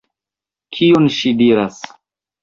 Kion ŝi diras?